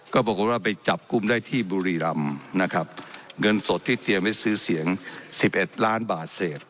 ก็ปรากฏว่าไปจับกลุ่มได้ที่บุรีรำนะครับเงินสดที่เตรียมไว้ซื้อเสียง๑๑ล้านบาทเศษ